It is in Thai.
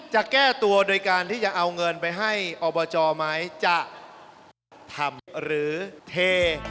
จะแก้ตัวโดยการที่จะเอาเงินไปให้อบจไหมจะทำหรือเท